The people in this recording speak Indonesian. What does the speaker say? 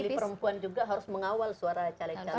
perempuan juga harus mengawal suara caleg caleg